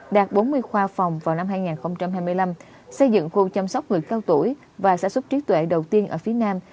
đạt bốn mươi khoa phòng vào năm hai nghìn hai mươi năm xây dựng khu chăm sóc người cao tuổi và sản xuất trí tuệ đầu tiên ở phía nam